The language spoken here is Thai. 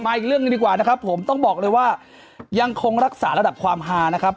อีกเรื่องหนึ่งดีกว่านะครับผมต้องบอกเลยว่ายังคงรักษาระดับความฮานะครับ